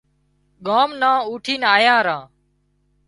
ڳام نان اُوٺينَ آيان ران